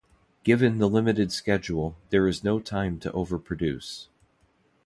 Given the limited schedule, there is no time to overproduce.